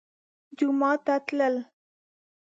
جومات ته تلل